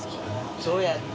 どうやって？